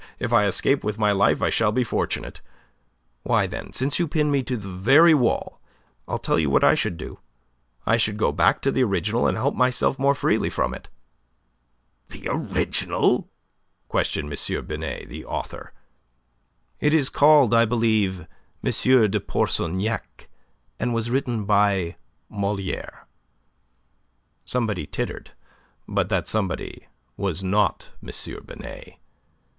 If I escape with my life, I shall be fortunate. Why, then, since you pin me to the very wall, I'll tell you what I should do. I should go back to the original and help myself more freely from it." "The original?" questioned M. Binet the author. "It is called, I believe, 'Monsieur de Pourceaugnac,' and was written by Moliere." Somebody tittered, but that somebody was not M. Binet.